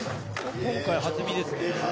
今回、はずみですね。